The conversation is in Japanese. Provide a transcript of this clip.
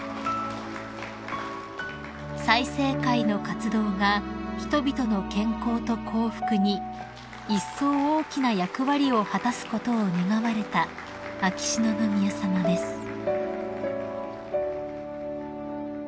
［済生会の活動が人々の健康と幸福にいっそう大きな役割を果たすことを願われた秋篠宮さまです］